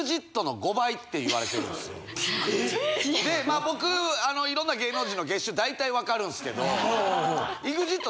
まあ僕いろんな芸能人の月収だいたい分かるんすけど。